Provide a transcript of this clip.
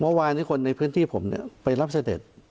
เมื่อวานนี้คนในพื้นที่ผมไปรับเสด็จ